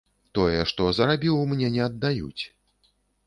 Тое, што зарабіў, мне не аддаюць.